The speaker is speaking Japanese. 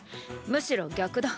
むしろ逆だ。